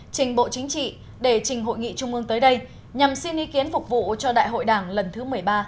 trình bộ chính trị để trình hội nghị trung ương tới đây nhằm xin ý kiến phục vụ cho đại hội đảng lần thứ một mươi ba